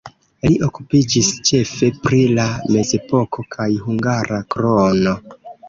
Li okupiĝis ĉefe pri la mezepoko kaj hungara krono.